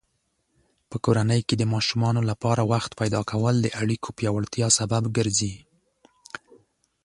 په کورنۍ کې د ماشومانو لپاره وخت پیدا کول د اړیکو پیاوړتیا سبب ګرځي.